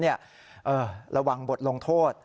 ระวังบทลงโทษ